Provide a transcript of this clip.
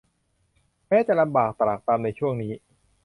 แม้จะลำบากตรากตรำในช่วงนี้